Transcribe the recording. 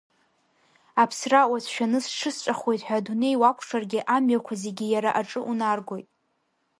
Аԥсра уацәшәаны сҽысҵәахуеит ҳәа адунеи уакәшаргьы амҩақәа зегьы иара аҿы унаргоит.